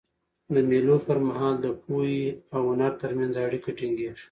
د مېلو پر مهال د پوهي او هنر ترمنځ اړیکه ټینګيږي.